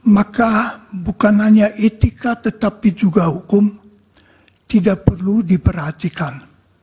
maka bukan hanya etika tetapi juga hukum tidak perlu diperhatikan